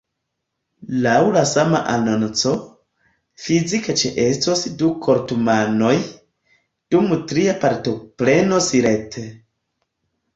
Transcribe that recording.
Laŭ la sama anonco, fizike ĉeestos du kortumanoj, dum tria partoprenos rete.